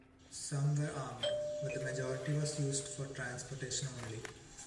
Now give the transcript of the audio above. Some were armed, but the majority was used for transportation only.